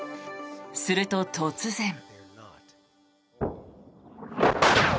すると、突然。